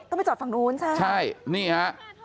ไปจอดฝั่งนู้นใช่ใช่นี่ฮะ